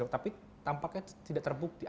tapi tampaknya tidak terbukti